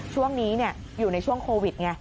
ช่วงนี้อยู่ในช่วงโควิดไง